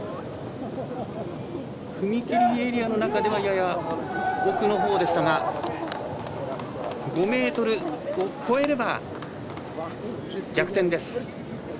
踏み切りエリアの中ではやや奥のほうでしたが５ｍを超えれば逆転です。